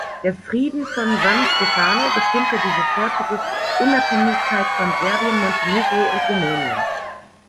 Der Frieden von San Stefano bestimmte die sofortige Unabhängigkeit von Serbien, Montenegro und Rumänien.